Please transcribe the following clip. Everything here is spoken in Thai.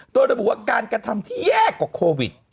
โดยระบุว่าการกระทำที่แย่กว่าโควิด